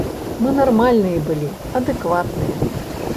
Мы нармальныя былі, адэкватныя.